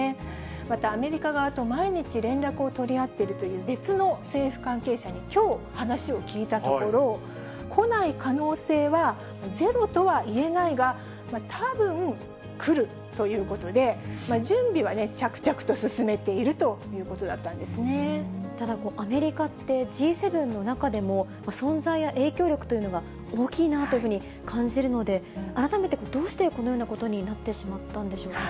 また、アメリカ側と毎日連絡を取り合っているという別の政府関係者にきょう話を聞いたところ、来ない可能性はゼロとは言えないが、たぶん来るということで、準備は着々と進めているということだっただ、アメリカってＧ７の中でも、存在や影響力というのが大きいなというふうに感じるので、改めてどうしてこのようなことになってしまったんでしょうか。